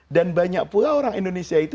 dan banyak pula orang indonesia itu